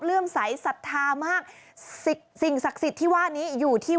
เลื่อมใสสัทธามากสิ่งศักดิ์สิทธิ์ที่ว่านี้อยู่ที่